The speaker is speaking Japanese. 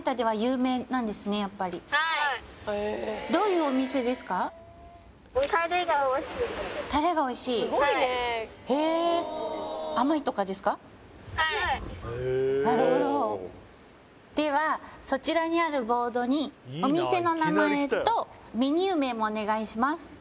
はいへえなるほどではそちらにあるボードにお店の名前とメニュー名もお願いします